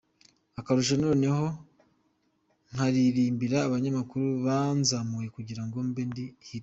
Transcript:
Akarusho noneho nkaririmbira abanyamakuru banzamuye kugira ngo mbe ndi Hiti.